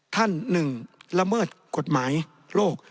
ท่าน๑ละเมิดกฎหมายโรค